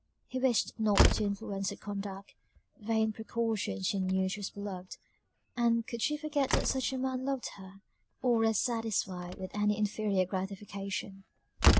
He wished not to influence her conduct vain precaution; she knew she was beloved; and could she forget that such a man loved her, or rest satisfied with any inferior gratification.